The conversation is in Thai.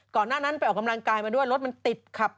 หน้านั้นไปออกกำลังกายมาด้วยรถมันติดขับ